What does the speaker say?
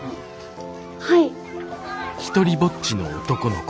はい。